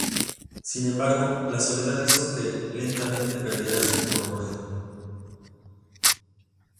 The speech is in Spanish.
Sin embargo, la soledad hizo que lentamente perdiera su cordura.